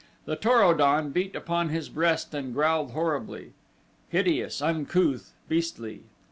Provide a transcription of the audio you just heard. The Tor o don beat upon his breast and growled horribly hideous, uncouth, beastly.